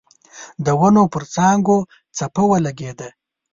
د ونو پر څانګو څپه ولګېده.